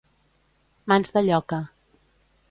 Mans de lloca.